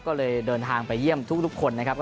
ก็เลยเดินทางไปเยี่ยมทุกคนนะครับ